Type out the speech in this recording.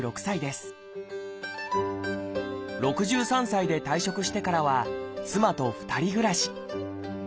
６３歳で退職してからは妻と２人暮らし。